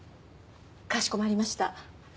かしこまりました。